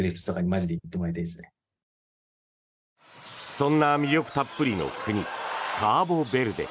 そんな魅力たっぷりの国カボベルデ。